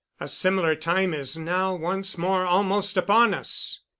A similar time is now once more almost upon us!